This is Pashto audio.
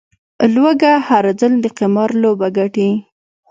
لوږه، هر ځل د قمار لوبه ګټي